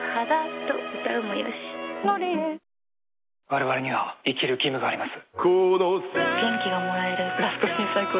「われわれには生きる義務があります」